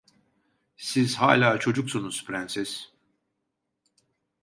Siz hala çocuksunuz Prenses…